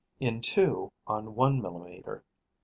in two, on one millimetre